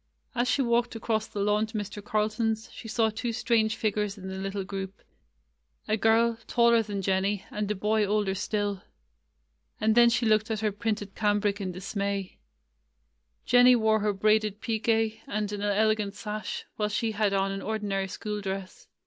As she walked across the lawn to Mr. Carlton's, she saw two strange figures in the little group — a girl, taller than Jennie, and a boy older still. And then she looked at her printed cambric in dismay. Jen nie wore her braided pique and an elegant sash, while she had on an ordinary school dress.